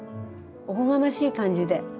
おこがましい感じで。